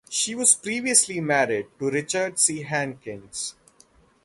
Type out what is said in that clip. She was previously married to Richard C. Hankins.